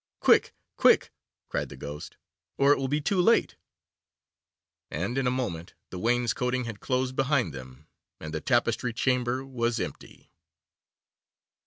'Quick, quick,' cried the Ghost, 'or it will be too late,' and, in a moment, the wainscoting had closed behind them, and the Tapestry Chamber was empty.